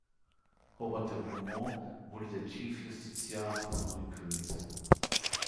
Robert de Beaumont wurde der Chief Justiciar des neuen Königs.